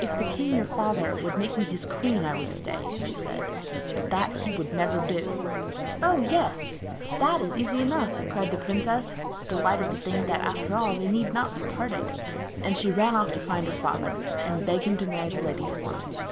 'If the king, your father, would make me his queen I would stay,' she said; 'but that he would never do.' 'Oh, yes! that is easy enough!' cried the princess, delighted to think that, after all, they need not be parted. And she ran off to find her father, and beg him to marry the lady at once.